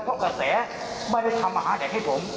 เพราะกาแสไม่เลยทำอาหารแหล่งให้ผม